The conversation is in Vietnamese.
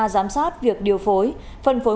giám sát việc điều phối phân phối